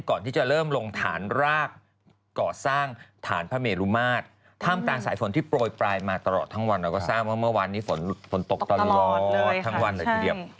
ตลอดทั้งวันเราก็สร้างเพราะว่าเมื่อวันนี้ฝนตกตลอดทั้งวันเลยทีเดียว